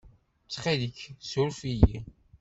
Ttxil-k, ssuref-iyi.